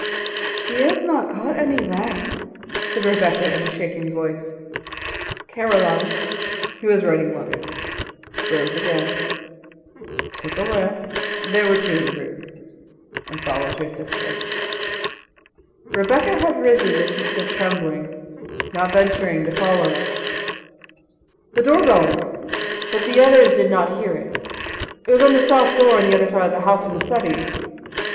"She has not got any lamp," said Rebecca in a shaking voice. Caroline, who was writing letters, rose again, took a lamp (there were two in the room) and followed her sister. Rebecca had risen, but she stood trembling, not venturing to follow. The doorbell rang, but the others did not hear it; it was on the south door on the other side of the house from the study.